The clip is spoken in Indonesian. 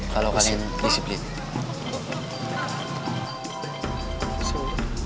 lalu kalian diiksi please